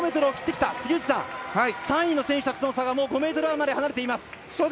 ３位の選手たちとの差が５ｍあまり離れています。